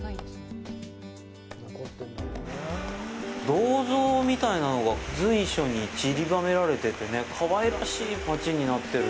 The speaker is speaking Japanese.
銅像みたいなのが随所に散りばめられててね、かわいらしい町になってる。